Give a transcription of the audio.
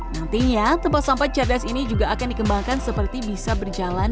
nantinya tempat sampah cerdas ini juga akan dikembangkan seperti bisa berjalan